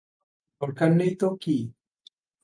দরকার নেই তো কী?